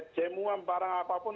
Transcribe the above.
cemuan barang apapun